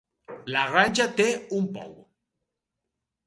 La granja té un pou.